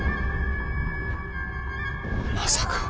まさか。